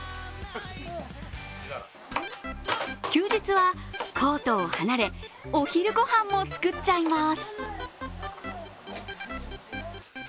休日はコートを離れ、お昼ごはんも作っちゃいます。